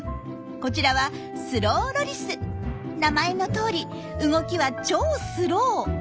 こちらは名前のとおり動きは超スロー。